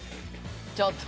ちょっと。